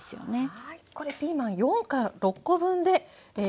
はい。